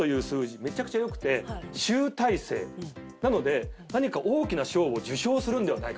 めちゃくちゃ良くて集大成なので何か大きな賞を受賞するんではないかとか。